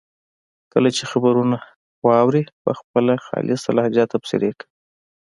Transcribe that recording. کله چې خبرونه واوري په خپله خالصه لهجه تبصرې کوي.